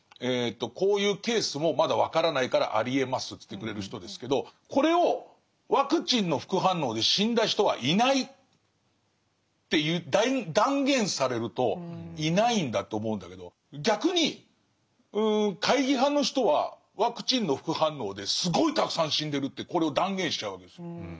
こういうケースもまだ分からないからありえますと言ってくれる人ですけどこれを「ワクチンの副反応で死んだ人はいない」って断言されるといないんだと思うんだけど逆に懐疑派の人は「ワクチンの副反応ですごいたくさん死んでる」ってこれを断言しちゃうわけですよ。